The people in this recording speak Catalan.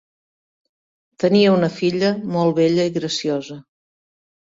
Tenia una filla molt bella i graciosa.